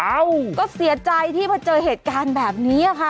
เอ้าก็เสียใจที่พอเจอเหตุการณ์แบบนี้ค่ะ